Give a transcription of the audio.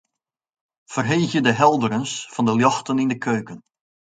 Ferheegje de helderens fan de ljochten yn de keuken.